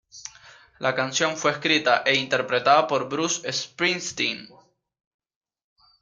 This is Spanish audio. La canción fue escrita e interpretada por Bruce Springsteen.